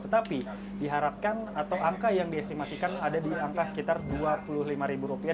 tetapi diharapkan atau angka yang diestimasikan ada di angka sekitar dua puluh lima ribu rupiah